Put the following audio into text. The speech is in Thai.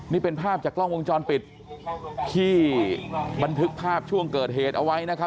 นี่เป็นภาพจากกล้องวงจรปิดที่บันทึกภาพช่วงเกิดเหตุเอาไว้นะครับ